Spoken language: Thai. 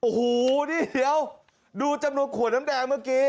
โอ้โหนี่เดี๋ยวดูจำนวนขวดน้ำแดงเมื่อกี้